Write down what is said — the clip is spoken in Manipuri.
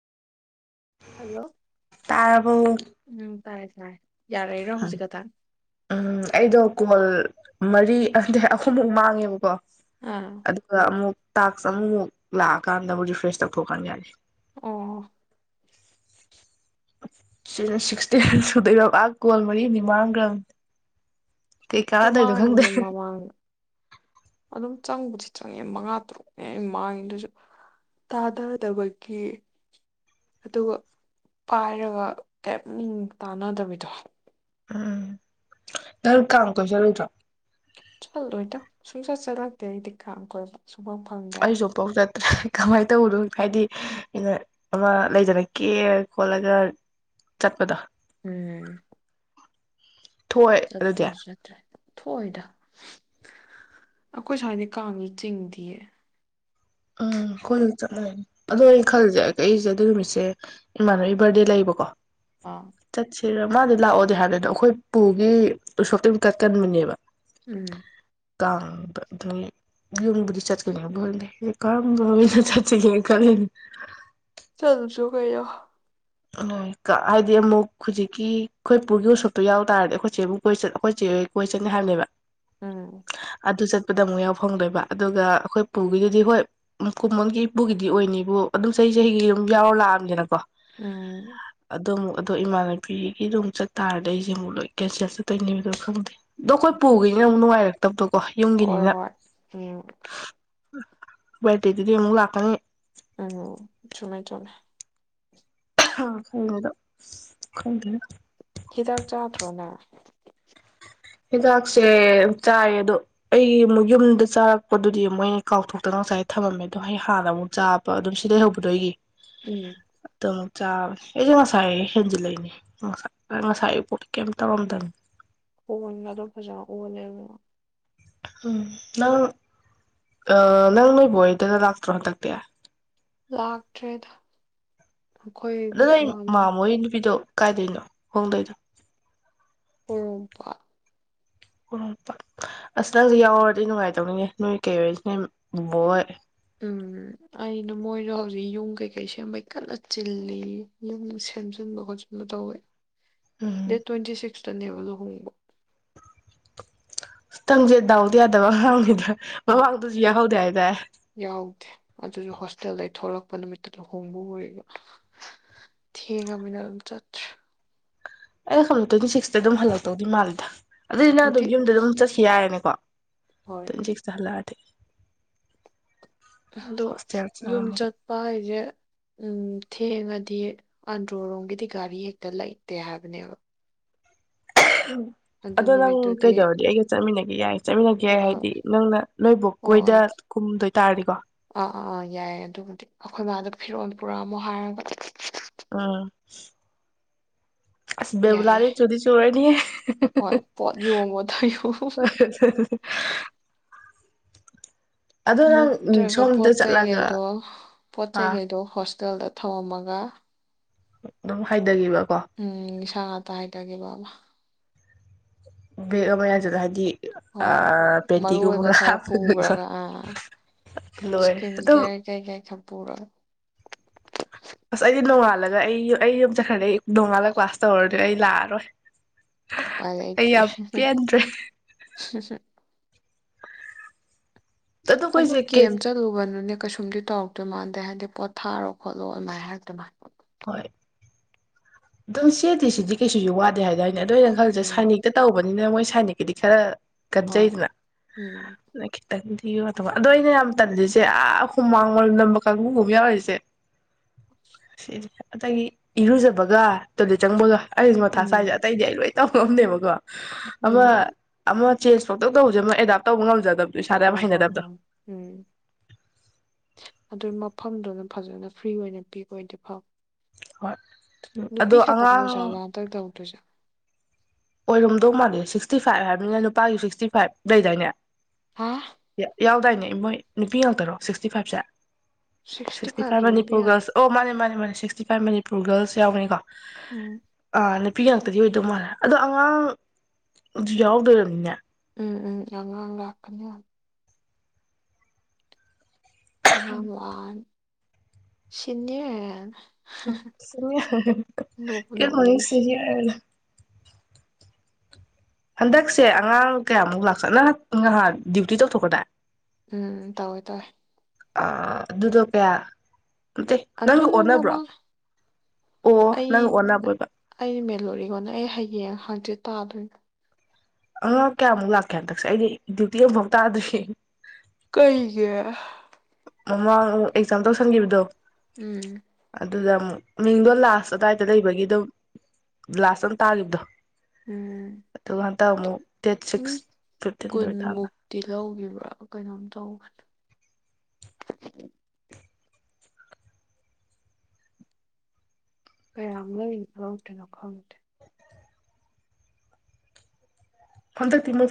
ꯍꯜꯂꯣ ꯇꯥꯔꯕ‌ꯣ ꯇꯥꯔ‌ꯦ ꯇꯥꯔ‌ꯦ ꯎꯝ ꯑꯩꯗ‌ꯣ ꯀ‌ꯣꯜ ꯃꯔꯤ ꯅꯠꯇ‌ꯦ ꯑꯍꯨꯝꯃꯨꯛ ꯃꯥꯡꯉꯦꯕꯀꯣ ꯑꯥ ꯑꯗꯨꯒ ꯑꯃꯨꯛ ꯇꯥꯛꯁ ꯑꯃꯃꯨꯛ ꯂꯥꯛꯑꯀꯥꯟꯗꯕꯨ ꯔꯤꯐ꯭ꯔꯦꯁ ꯇꯧꯊꯣꯛꯀꯥꯟꯅꯤ ꯌꯥꯅꯤ ꯑ ꯁꯤ ꯁꯤꯛꯁꯇꯤꯟ ꯁꯨꯗꯣꯏꯔꯤꯕ ꯒꯣꯜ ꯃꯔꯤ ꯃꯤꯃꯥꯡ ꯒꯔꯝ ꯀꯩ ꯁꯨ ꯀꯥꯟꯅꯗ‌ꯣꯏꯅ‌ꯣ ꯃꯥꯡꯉꯤꯅꯦ ꯈꯪꯗ‌ꯦ ꯃꯃꯥꯡ ꯑꯗꯨꯝ ꯆꯪꯕꯨꯗꯤ ꯆꯪꯉꯦ ꯃꯉꯥ ꯇꯔꯨꯛꯅꯦ ꯑꯩ ꯃꯥꯡꯉꯤ ꯑꯗꯨꯁꯨ ꯇꯥꯗꯗꯕꯒꯤ ꯑꯗꯨꯒ ꯄꯥꯏꯔꯒ ꯀꯩꯝ ꯃꯤ ꯇꯥꯟꯅꯗꯕꯤꯗꯣ ꯎꯝ ꯗꯔ ꯀꯥꯝ ꯀ‌ꯣꯏ ꯆꯠꯂ‌ꯣꯏꯗꯔ‌ꯣ ꯆꯠꯂꯣꯏꯗ ꯁꯨꯡꯆꯠ ꯆꯠꯂꯥꯛꯇꯦ ꯑꯩꯗꯤ ꯀꯥꯡ ꯀꯣꯏꯕ ꯁꯨꯡꯐꯪ ꯐꯪꯗꯦꯕ ꯑꯩꯁꯨ ꯑꯃꯨꯛꯐꯥꯎ ꯆꯠꯇ꯭ꯔꯦ ꯀꯃꯥꯏꯅ ꯇꯧꯕꯅꯣ ꯍꯥꯏꯗꯤ ꯑꯩꯅ ꯑꯃ ꯂꯩꯗꯅ ꯀ‌ꯦꯔ ꯈꯣꯠꯂꯒ ꯆꯠꯄꯗꯣ ꯎꯝ ꯊꯣꯛꯑꯦ ꯑꯗꯨꯗꯤ ꯆꯠꯇꯔ ꯆꯠꯇ꯭ꯔ‌ꯦ ꯊꯣꯛꯑꯣꯏꯗ ꯑꯩꯈꯣꯏ ꯁ꯭ꯋꯥꯏꯗ ꯀꯥꯡꯒꯤ ꯆꯤꯡꯗꯤꯌꯦ ꯎꯝ ꯈ‌ꯣꯏꯒ ꯆꯞ ꯃꯥꯟꯅꯩ ꯑꯗꯣ ꯑꯩꯅ ꯈꯜꯂꯁꯦ ꯑꯩꯁꯦ ꯑꯗꯨ ꯅꯨꯃꯤꯠꯁꯦ ꯏꯃꯥꯟꯅꯕꯤ ꯕꯥꯔꯗꯦ ꯂꯩꯕꯀꯣ ꯑ ꯁꯤꯔ ꯃꯥꯗꯤ ꯂꯥꯛꯑꯣꯗꯤ ꯍꯥꯟꯅꯗꯣ ꯑꯩꯈꯣꯏ ꯄꯨꯒꯤ ꯎꯁꯣꯞꯀꯤ ꯀꯠꯀꯟꯕꯅꯦꯕ ꯎꯝ ꯀꯥꯡ ꯑꯗꯨꯝ ꯌꯨꯝꯕꯨ ꯆꯠꯀꯅꯤꯕꯨ ꯈꯪꯗ‌ꯦ ꯀꯔꯝꯕ ꯆꯠꯁꯤꯒ‌ꯦꯅ ꯈꯜꯂꯤꯅꯤ ꯆꯠꯂꯨꯁ‌ꯣ ꯀꯩꯅ‌ꯣ ꯍꯥꯏꯗꯤ ꯑꯃꯨꯛ ꯍꯧꯖꯤꯛꯀꯤ ꯈꯣꯏ ꯄꯨꯨꯒꯤ ꯎꯁꯣꯞꯇꯣ ꯌꯥꯎ ꯇꯥꯔꯗꯤ ꯑꯩꯈꯣꯏ ꯆꯦꯕꯨ ꯀꯣꯏ ꯆꯠ ꯑꯩꯈꯣꯏꯆꯦ ꯍ‌ꯣꯏ ꯀꯣꯏ ꯆꯠꯅꯤ ꯍꯥꯏꯕꯅꯦꯕ ꯎꯝ ꯑꯗꯨ ꯆꯠꯄꯗ ꯑꯃꯨꯛ ꯌꯥꯎ ꯐꯪꯗꯣꯏꯕ ꯑꯗꯨꯒ ꯑꯩꯈꯣꯏ ꯄꯨꯒꯤꯗꯨꯗꯤ ꯍꯣꯏ ꯀꯨꯝꯃꯣꯟꯒꯤ ꯏꯄꯨꯒꯤꯗꯤ ꯑꯣꯏꯅꯤꯕꯨ ꯑꯗꯨꯝ ꯆꯍꯤ ꯆꯍꯤꯒꯤ ꯑꯗꯨꯝ ꯌꯥꯎꯔ ꯂꯥꯛꯑꯝꯅꯤꯅꯀꯣ ꯎꯝ ꯑꯗꯣ ꯑꯃꯨꯛ ꯑꯗꯣ ꯏꯃꯥꯟꯅꯕꯤꯒꯤꯗꯨ ꯑꯃꯨꯛ ꯆꯠꯇꯥꯥꯔꯗꯤ ꯑꯩꯁꯦ ꯑꯃꯨꯛ ꯂꯣꯏ ꯀꯦꯟꯁꯦꯜ ꯆꯠꯇꯣꯏꯅꯦꯕꯗꯣ ꯈꯪꯗꯦ ꯑꯗꯣꯈꯣꯏ ꯄꯨꯒꯤꯁꯤꯅ ꯑꯃꯨꯛ ꯅꯨꯡꯉꯥꯏꯔꯒꯦ ꯇꯧ ꯀꯣ ꯍꯣꯏ ꯌꯨꯝꯒꯤꯅꯤꯅ ꯍꯣꯏ ꯎꯝ ꯕꯔꯠ꯭ ꯗꯦꯗꯨꯗꯤ ꯑꯃꯨꯛ ꯂꯥꯛꯀꯅꯤ꯫ ꯎꯝ ꯆꯨꯝꯃꯦ- ꯆꯨꯨꯝꯃꯦ ꯫ ꯑ ꯈꯡꯗꯦꯗꯥ꯫ ꯍꯤꯗꯥꯛ ꯆꯥꯗ꯭ꯔꯣ ꯅꯪ? ꯍꯤꯗꯥꯛꯁꯦ ꯆꯥꯏ ꯑꯗꯣ ꯑꯩ ꯑꯃꯨꯛ ꯌꯨꯝꯗ ꯆꯥꯔꯛꯄꯗꯨꯗꯤ ꯃꯣꯏ ꯀꯥꯎꯊꯣꯛꯇꯅ ꯉꯁꯥꯏ ꯊꯝꯃꯝꯃꯦ ꯑꯗꯣ ꯑꯩ ꯍꯥꯟꯅ ꯑꯃꯨꯛ ꯆꯥꯕ ꯑꯗꯨꯝ ꯁꯤ ꯂꯩꯍꯧꯕꯗꯣ ꯑꯩꯒꯤ ꯎꯝ꯫ ꯑꯗꯣ ꯆꯥꯕꯅꯦ ꯑꯩꯁꯦ ꯉꯁꯥꯏ ꯍꯦꯟꯖꯤꯜꯂꯛꯏꯅꯦ ꯉꯁ ꯉꯁꯥꯏꯒꯤ ꯄꯣꯠ ꯀꯩꯝ ꯇꯧꯔꯝꯗꯕꯅꯤ꯫ ꯈꯣꯟ ꯒꯗꯣ ꯐꯖꯥ ꯑꯣꯜ ꯂꯦꯕꯥ꯫ ꯎꯝ ꯅꯪ ꯑꯥ ꯅꯪ ꯅꯣꯏ ꯕꯣꯛ ꯍꯣꯌꯗꯒꯥ ꯂꯥꯛꯇ꯭ꯔꯣ ꯍꯟꯗꯛꯇꯛꯇꯤ? ꯂꯥꯛꯇ꯭ꯔꯦꯗ꯫ ꯑꯩꯈꯣꯏ ꯑꯗ ꯃꯥꯃ ꯃꯥꯃꯣꯏ ꯅꯨꯄꯤꯗꯣ ꯀꯥꯏꯗꯩꯅꯣ ꯍꯣꯡꯗꯣꯏꯗꯣ? ꯄꯣꯔꯣꯝꯄꯥꯠ꯫ ꯑꯁ ꯅꯪꯁꯨ ꯌꯥꯎꯔꯗꯤ ꯅꯨꯡꯉꯥꯏꯇꯧꯅꯤꯅꯦꯦꯅꯣꯏ ꯀꯩ ꯑꯣꯏꯔꯤꯁꯤꯅꯦ ꯕꯣꯏ꯫ ꯎꯝ ꯑꯩꯅ ꯃꯣꯏꯗ ꯍꯧꯖꯤꯛ ꯌꯨꯝ ꯀꯩꯀꯩ ꯁꯦꯝꯕꯩ ꯀꯟꯅ ꯆꯤꯜꯂꯤ ꯌꯨꯝ ꯁꯦꯝꯖꯤꯟꯕ ꯈꯣꯆꯤꯟꯕ ꯇꯧꯋꯦ꯫ ꯎꯝ ꯗꯦꯠ ꯇ꯭ꯋꯦꯟꯇꯤ ꯁꯤꯛꯁ ꯇꯅꯦꯕ ꯂꯨꯍꯣꯡꯕ꯫ ꯇꯝꯁꯦ ꯗꯥꯎꯗꯤ ꯌꯥꯗꯕ [unintelligible] ꯍꯣꯏ ꯃꯃꯥꯡꯗꯁꯨ ꯌꯥꯎꯍꯧꯗꯦ ꯍꯥꯏꯗꯥꯏ ꯌꯥꯎꯗꯦ ꯑꯗꯨꯁꯨ ꯍꯣꯁꯇꯦꯜ ꯂꯩ꯫ ꯊꯣꯂꯛꯄ ꯅꯨꯃꯤꯠꯇꯨ ꯂꯨꯍꯣꯡꯕ ꯑꯣꯏꯔꯤ ꯊꯦꯡꯉꯃꯤꯅ ꯑꯗꯨꯝ ꯆꯠꯇ꯭ꯔꯦ꯫ ꯑꯩ ꯈꯪꯗ ꯇ꯭ꯋꯦꯟꯇꯤ ꯁꯤꯛꯁꯇ ꯑꯗꯨꯝ ꯍꯜꯂꯛꯇꯧꯗꯤ ꯃꯥꯜꯂꯤꯗ꯫ ꯑꯗꯨꯏꯗꯨꯅ ꯇ꯭ꯋꯦꯟꯇꯤ ꯑꯗꯨꯝ ꯌꯨꯝꯗ ꯑꯗꯨꯝ ꯆꯠꯁꯤ ꯌꯥꯏꯔꯅꯦꯀꯣ꯫ ꯍꯣꯏ ꯇꯋꯦꯟ ꯇꯤꯁꯤꯛꯁ ꯇꯥ ꯍꯥꯂꯛ ꯑꯗꯣ ꯍꯣꯁꯇꯦꯜ ꯌꯨꯝ ꯆꯪꯉꯝꯃꯒ ꯆꯠꯄ ꯍꯥꯏꯁꯦ ꯎꯝ ꯊꯦꯡꯉꯗꯤ ꯑꯟꯗ꯭ꯔꯣꯔꯣꯝꯒꯤꯗꯤ ꯒꯥꯔꯤ ꯍꯦꯛꯇ ꯂꯩꯇꯦ ꯍꯥꯏꯕꯅꯦꯕ꯫ [unintelligible] ꯑꯗꯨ ꯑꯗꯣ ꯅꯪ ꯅꯨꯃꯤꯠꯇꯨꯗꯤ ꯀꯩꯗꯕꯗꯤ ꯑꯩꯒ ꯆꯃꯤꯅ [inaudible] ꯆꯠꯃꯤꯟꯅꯒꯦ ꯍꯣꯏ ꯍꯣꯏ ꯍꯥꯏꯗꯤ ꯅꯪꯅ ꯅꯣꯏꯕꯨ ꯀꯣꯏꯗ ꯍꯣꯏ ꯀꯨꯝꯗꯣꯏꯇꯥꯥꯔꯗꯤꯀꯣ ꯌꯥꯏ ꯑꯗꯨꯕꯨꯗꯤ ꯑꯩꯈꯣꯏ ꯃꯥꯗ ꯐꯤꯔꯣꯝ ꯄꯨꯔꯛꯑꯝꯃꯨ ꯍꯥꯏꯔꯒ ꯑ ꯑꯁ ꯌꯥꯏꯌꯦ ꯕꯦꯕꯨꯂꯥꯗꯤ ꯆꯨꯗꯤ ꯆꯨꯔꯅꯤꯍꯦ ꯍꯣꯏ ꯄꯣꯠ ꯌꯣꯝꯃꯣꯗꯣ ꯌꯣꯝꯃꯣ ꯑꯗꯣ ꯅꯪ ꯅꯠꯇ꯭ꯔꯒ ꯁꯣꯝꯗ ꯄꯣꯠ ꯆꯠꯂꯒ ꯆꯩꯩꯈꯩꯗꯣ ꯄꯣꯠ ꯑꯥ ꯆꯩꯩꯈꯩꯗꯣ ꯍꯣꯁ ꯍꯣꯇꯦꯜꯗ ꯊꯧꯑꯝꯃꯒ ꯑꯗꯨꯝ ꯍꯥꯏꯗꯒꯤꯕ ꯎꯝ꯫ [unintelligible] ꯕꯦꯒ ꯑꯃꯥ ꯌꯟꯖꯤꯜꯂꯥ ꯍꯥꯏꯗꯤ ꯍꯣꯏ ꯃꯔꯨ ꯄꯦꯟꯇꯤꯒꯨꯝꯕꯒ ꯑꯣꯏꯕ ꯈꯔ ꯍꯥꯞꯄꯒꯀꯣ ꯄꯨꯕ꯭ꯔꯒ ꯑꯥ ꯂꯣꯏꯔꯦ ꯏꯁꯀꯤꯟ ꯑꯗꯨꯝ ꯀꯦꯌꯔ ꯀꯩ ꯀꯩ ꯈ ꯄꯨꯔꯥ ꯑꯁ ꯑꯩꯗꯤ ꯅꯣꯡꯉꯥꯜꯂꯒ ꯑꯩ ꯑꯩ ꯌꯨꯝ ꯆꯠꯈ꯭ꯔꯗꯩ ꯅꯣꯡꯉꯥꯜꯂꯒ ꯀ꯭ꯂꯥꯁ ꯇꯧꯔꯗꯤ ꯑꯩ ꯂꯥꯛꯑꯔꯣꯏ ꯎꯄꯥꯏ ꯑꯩ ꯌꯥꯝ ꯄꯦꯟꯗ꯭ꯔꯦ ꯁꯤ ꯑꯗꯣ ꯑꯗꯨ ꯑꯩꯈꯣꯏꯁꯦ ꯀꯦꯠ ꯀꯦꯝ ꯆꯠꯂꯨꯕꯅꯅꯦ ꯀꯩꯁꯨꯝꯗꯤ ꯇꯧꯔꯛꯇꯣꯏ ꯃꯥꯟꯗꯦ ꯍꯥꯏꯗꯤ ꯄꯣꯠ ꯊꯥꯔꯣ ꯈꯣꯠꯂꯣ ꯑꯗꯨꯃꯥꯏꯅꯔ ꯑꯗꯨꯃꯥꯏꯅ ꯍꯣꯏ ꯑꯝ ꯆꯦꯗꯤ ꯁꯤꯗꯤ ꯀꯩꯁꯨꯁꯨ ꯋꯥꯗꯦ ꯍꯥꯏꯇꯥ ꯑꯗꯨ ꯑ ꯑꯣꯏꯅ ꯈꯜꯁꯦ ꯎꯝ ꯁꯥꯏꯅꯤꯛꯇ ꯇꯧꯕꯅꯤꯅ ꯃꯣꯏ ꯁꯥꯏꯅꯗꯤ ꯈꯔ ꯍꯣꯏ ꯀꯟꯖꯩꯗꯅ ꯎꯝ ꯂꯈꯤ ꯇꯗꯤ ꯁꯤꯒꯤ ꯋꯥ ꯑꯗꯣ ꯑꯩꯅ ꯌꯥꯝ ꯇꯟꯜꯂꯤꯁꯦ ꯑꯥ ꯍꯨꯃꯥꯡ ꯂ ꯅꯝꯕ ꯀꯥꯡꯕꯨꯒꯨꯝ ꯌꯥꯎꯔꯤꯁꯦ ꯁꯤꯗꯤ ꯑꯗꯒꯤ ꯏꯔꯨꯖꯕꯒ ꯇꯣꯂꯦꯠ ꯆꯪꯕꯒ ꯑꯩꯁ ꯃꯊꯥ ꯁꯥꯏꯁꯦ ꯎꯝ ꯑꯇꯩꯗꯤ ꯑꯩꯣꯏ ꯇꯧ ꯑꯃꯅꯦꯕꯀꯣ ꯎꯝ ꯑꯃꯃ ꯑꯃ ꯆꯦꯟꯖ ꯐꯧꯇ ꯇꯧꯖꯃ ꯑꯦꯞ ꯇꯧꯉꯦ ꯍꯣꯏ ꯍꯣꯏ ꯍꯣꯏ ꯎꯝ ꯑꯗꯨꯏ ꯃꯐꯝꯗꯨꯅ ꯐꯖꯅ ꯐ꯭ꯔꯤ ꯑꯣꯏꯅ ꯄꯤꯕ ꯑꯣꯏꯗꯦ ꯐꯥꯎ ꯍꯣꯏ ꯅꯨꯄꯤ ꯑꯗꯣ ꯈꯠꯃ ꯑꯉꯥꯡ ꯍꯧꯖ ꯋꯥ ꯇꯗꯥ ꯎꯖ ꯑꯣꯏꯔꯣꯝꯗꯧ ꯃꯥꯜꯜꯂꯤꯦ ꯁꯤꯛꯁꯇꯤ ꯐꯥꯏꯚ ꯍꯥꯏꯕꯅꯤꯅ ꯅꯨꯄꯥꯒꯤ ꯁꯤꯛꯁꯇꯤ ꯐꯥꯏꯚ ꯂꯩꯗꯥꯣꯏꯅꯦ ꯍꯥ ꯌꯥꯎ ꯑꯗꯨꯗꯥꯏꯅꯦ ꯃꯣꯏ ꯅꯨꯄꯤ ꯉꯥꯛꯇꯔꯣ ꯁꯤꯛꯁꯇꯤ ꯐꯥꯏꯚꯁꯦ ꯁꯤꯛꯁꯇꯤ ꯐꯥꯏꯚꯇ ꯐꯥꯏꯚ ꯅꯨꯄꯤ ꯃꯅꯤꯄꯨꯔ ꯉꯥꯛꯇ ꯔꯁ ꯑꯣ ꯃꯥꯅꯦ ꯃꯥꯅꯦ ꯃꯥꯅꯦ ꯁꯤꯛꯁꯇꯤ ꯐꯥꯏꯚ ꯃꯅꯤꯨꯔ ꯒꯔꯜꯁ ꯌꯥꯎꯅꯤꯀꯣ ꯎꯝ ꯄꯄꯤ ꯉꯥꯛꯇꯗꯤ ꯑꯣꯏꯗꯧ ꯃꯥꯜꯂꯦ ꯑꯗꯣ ꯑꯉꯥꯡꯁꯨ ꯌꯥꯎꯗꯣꯅꯤꯅꯦ ꯎꯝ ꯎꯝ ꯑꯉꯒ ꯑꯈꯅꯤ ꯑꯃ ꯋꯥ ꯁꯤꯅꯤ ꯁꯤꯔꯤ ꯅꯣꯛꯄꯨ ꯀ ꯊ ꯅꯣꯛꯅꯤꯡꯉꯦ ꯁꯤꯔꯤ ꯍꯥꯏꯅ ꯍꯟꯗꯛꯁꯦ ꯑꯉꯥꯡ ꯀꯌꯥꯃꯨꯛ ꯂꯥꯛꯀꯠꯅ ꯉꯍ ꯗ꯭ꯌꯨꯇꯤ ꯇꯧꯊꯣꯛꯀꯗ ꯎꯝ ꯇꯧꯋꯦ ꯇꯋꯦ ꯑ ꯑꯗꯨꯗ ꯀꯌꯥ ꯅꯠꯇꯦ ꯑꯗꯨ ꯅꯪꯒ ꯅꯣꯏ ꯑꯣꯟꯅꯕ꯭ꯔꯣ ꯃꯃꯥꯡ ꯑꯣ ꯑꯩ ꯅꯪ ꯑꯣꯟꯅꯕ ꯑꯣꯏꯕ ꯑꯩ ꯃꯦꯂꯣꯔꯤꯉꯣꯅ ꯑꯩ ꯍꯌꯦꯡ ꯍꯪꯆꯤꯠ ꯇꯥꯗꯣꯏꯅꯤ ꯑꯉꯥꯡ ꯀꯌꯥꯃꯨꯛ ꯂꯥꯛꯀꯦ ꯍꯟꯗꯛꯁꯦ ꯑꯩꯗꯤ ꯗ꯭ꯌꯨꯇꯤ ꯑꯃꯐꯥꯎ ꯇꯥꯗ꯭ꯔꯤꯌꯦ ꯀꯩꯒꯤ ꯃꯃꯥꯡ ꯑꯦꯛꯖꯥꯝ ꯇꯧꯁꯟꯈꯤꯕꯗꯣ ꯎꯝ ꯑꯗꯨꯗ ꯑꯃꯨꯛ ꯃꯤꯡꯗꯣ ꯂꯥꯁ ꯑꯗꯨꯋꯥꯏꯗ ꯂꯩꯕꯒꯤ ꯑꯗꯨꯝ ꯂꯥꯁ ꯑꯃ ꯇꯥꯈꯤꯕꯗꯣ ꯎꯝ ꯇꯥꯃꯣ ꯃꯤ ꯀꯨꯟꯃꯨꯛꯇꯤ ꯂꯧꯈꯤꯕ ꯀꯩꯅꯣꯝ ꯇꯧꯕꯅꯤ ꯀꯌꯥꯝ ꯂꯧꯔꯤꯅꯣ ꯀꯩꯅꯣ ꯈꯪꯗꯦ ꯍꯟꯗꯛꯇꯤ ꯃꯣꯏ